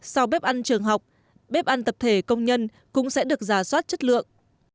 sau bếp ăn trường học bếp ăn tập thể công nhân cũng sẽ được giả soát chất lượng